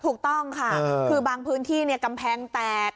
ถูกต้องค่ะคือบางพื้นที่กำแพงแตก